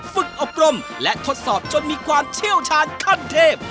ฝึกอบรมและทดสอบจนมีความเชี่ยวชาญขั้นเทพ